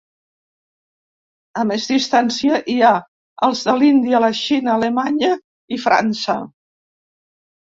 A més distància hi ha els de l’Índia, la Xina, Alemanya i França.